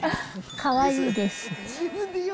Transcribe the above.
かわいいです。